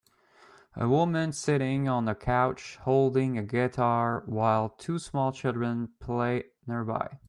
A woman sitting on a couch holding a guitar while two small children play nearby.